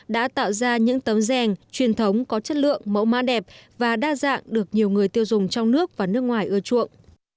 đã tạo ra những tấm gen truyền thống có chất lượng mẫu mã đẹp và đa dạng được nhiều người tiêu dùng trong nước và nước ngoài ưa chuộng